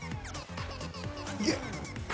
いけ！